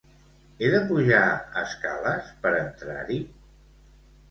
Ha de pujar escales per entrar-hi?